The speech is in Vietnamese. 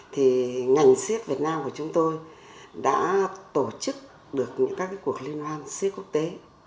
thì ngành siếc việt nam của chúng tôi đã tổ chức được những các cuộc liên hoan siếc quốc tế